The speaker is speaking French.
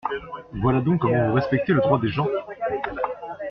Voilà donc comment vous respectez le droit des gens !